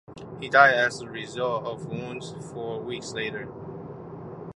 He died as a result of wounds four weeks later.